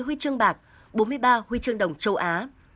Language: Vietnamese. bốn mươi huy chương bạc bốn mươi ba huy chương đồng châu á